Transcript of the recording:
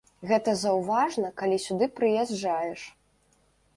Гэта заўважна, калі сюды прыязджаеш.